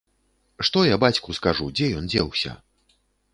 Што я бацьку скажу, дзе ён дзеўся?